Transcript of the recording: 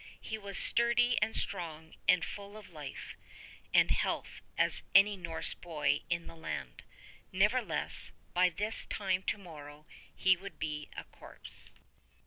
He was sturdy and strong and full of life and health as any Norse boy in the land; nevertheless by this time to morrow he would be a corpse.